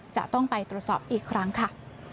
จะต้องไปตรวจสอบอีกครั้งค่ะ